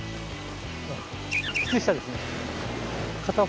靴下ですね。